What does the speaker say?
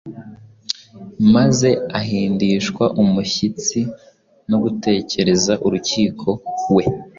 maze ahindishwa umushyitsi no gutekereza urukiko we